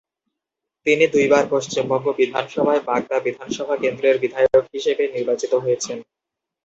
তিনি দুইবার পশ্চিমবঙ্গ বিধানসভায় বাগদা বিধানসভা কেন্দ্রের বিধায়ক হিসেবে নির্বাচিত হয়েছেন।